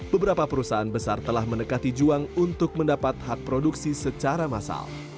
beberapa perusahaan besar telah mendekati juang untuk mendapat hak produksi secara massal